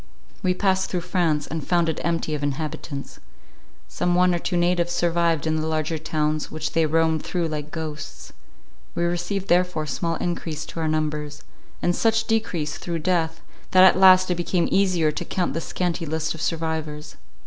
We passed through France, and found it empty of inhabitants. Some one or two natives survived in the larger towns, which they roamed through like ghosts; we received therefore small encrease to our numbers, and such decrease through death, that at last it became easier to count the scanty list of survivors.